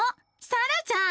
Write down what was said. さらちゃん。